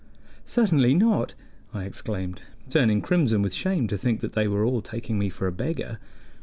"Certainly not!" I exclaimed, turning crimson with shame to think that they were all taking me for a beggar.